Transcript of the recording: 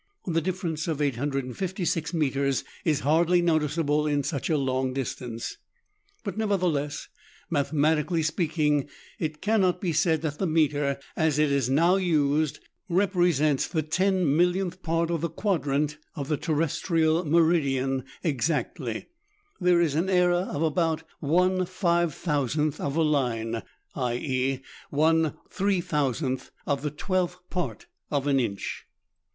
The difference of 856 metres is hardly noticeable in such a long distance ; but nevertheless, mathematically speak ing, it cannot be said that the metre, as it is now used, represents the ten millionth part of the quadrant of the terrestrial meridian exactly ; there is an error of about j ^ of a line, i. e. ^Vo o of the twelfth part of an inch.